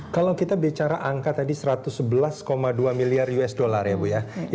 kalau kita bicara angka tadi satu ratus sebelas dua miliar usd ya bu ya